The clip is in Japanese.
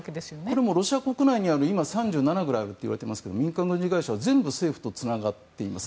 これもロシア国内に３７くらいあるといわれていますが民間軍事会社は全部、政府とつながっています。